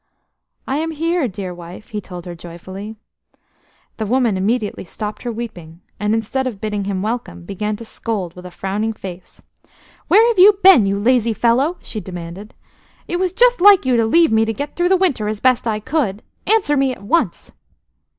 AM here, dear wife," he told her joyfully. The woman immediately stopped her weeping, and, instead of bidding him welcome, began to scold with a frowning face. "Where have you been, you lazy fellow?" she demanded. "It was just like you to leave me to get through the winter as best I could. Answer me at once!"